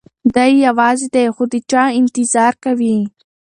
دی یوازې دی خو د چا انتظار کوي.